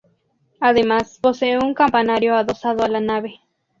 Además posee un campanario adosado a la nave.